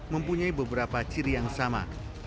mempunyai beberapa ciri yang sama